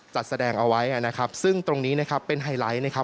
จัดแสดงเอาไว้ซึ่งตรงนี้เป็นไฮไลท์